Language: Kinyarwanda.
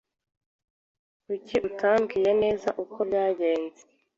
Kuki utambwira neza uko byagenze?